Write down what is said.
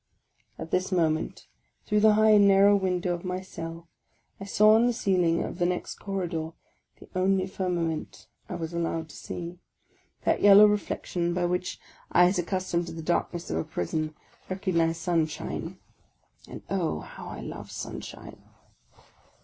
At this moment, through the high and narrow window of my cell, I saw on the ceiling of the next corridor (the only fir nament I was allowed to see) that yellow reflection by which eyes accustomed to the darkness of a prison recognize sunshine. And oh, how I love sunshine